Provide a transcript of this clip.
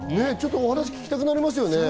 お話を聞きたくなりますよね。